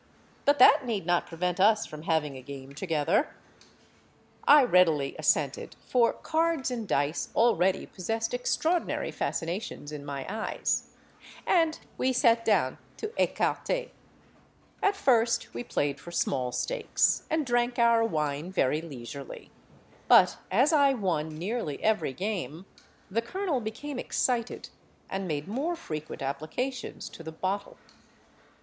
But that need not prevent us from having a game together.'—I readily assented, for cards and dice already possessed extraordinary fascinations in my eyes; and we sat down to écarté. At first we played for small stakes, and drank our wine very leisurely; but as I won nearly every game, the colonel became excited, and made more frequent applications to the bottle.